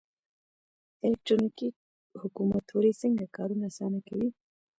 الکترونیکي حکومتولي څنګه کارونه اسانه کوي؟